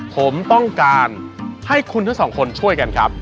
ผมต้องการให้คุณทั้งสองคนช่วยกันครับ